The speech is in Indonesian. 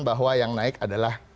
bahwa yang naik adalah